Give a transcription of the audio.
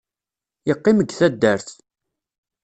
Yeqqim g taddart.